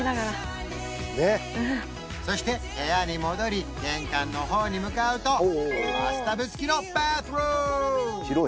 そして部屋に戻り玄関の方に向かうとバスタブ付きのバスルーム！